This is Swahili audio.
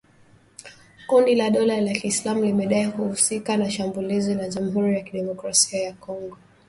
Kundi la Dola ya Kiislamu limedai kuhusika na shambulizi la Jamuhuri ya Kidemokrasia ya Kongo lililouwa watu kumi na watano